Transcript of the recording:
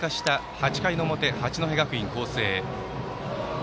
８回の表八戸学院光星。